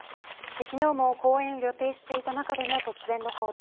昨日も公演を予定していた中での突然の報道。